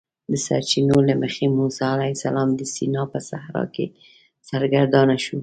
د سرچینو له مخې موسی علیه السلام د سینا په صحرا کې سرګردانه شو.